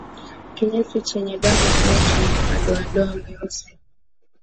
Kinyesi chenye damu au chenye madoadoa meusi